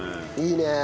いいね。